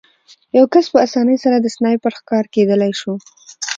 یو کس په اسانۍ سره د سنایپر ښکار کېدلی شو